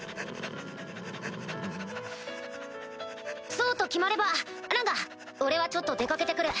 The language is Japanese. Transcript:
そうと決まればランガ俺はちょっと出掛けて来る。